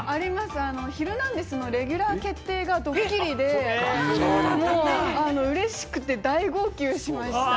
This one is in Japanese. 『ヒルナンデス！』のレギュラー決定がドッキリで、嬉しくて大号泣しました。